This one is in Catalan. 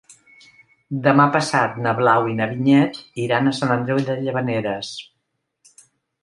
Demà passat na Blau i na Vinyet iran a Sant Andreu de Llavaneres.